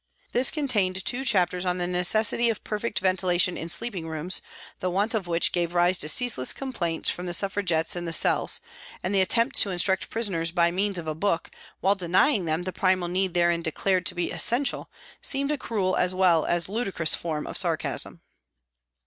This con tained two chapters on the necessity of perfect ventilation in sleeping rooms, the want of which gave rise to ceaseless complaints from the Suffragettes in the cells, and the attempt to instruct prisoners by means of a book, while denying them the primal need therein declared to be essential, seemed a cruel as well as a rather ludicrous form of sarcasm.